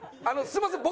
すみません。